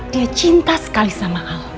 dia cinta sekali sama al